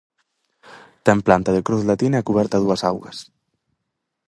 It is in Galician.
Ten planta de cruz latina e cuberta a dúas augas.